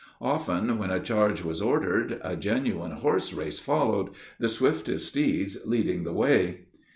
Often when a charge was ordered, a genuine horse race followed, the swiftest steeds leading the way.